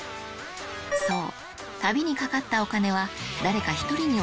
そう！